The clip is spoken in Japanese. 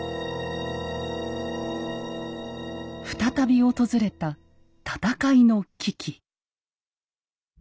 再び訪れた戦いの危機。